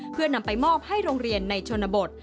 เพื่อนำไปมอบให้โรงเรียนในชนบท